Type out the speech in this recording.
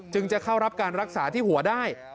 จะเข้ารับการรักษาที่หัวได้